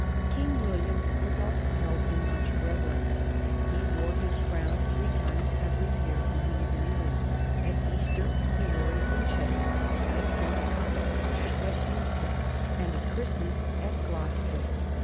King William was also held in much reverence : he wore his crown three times every year when he was in England : at Easter he wore it at Winchester, at Pentecost at Westminster, and at Christmas at Gloucester.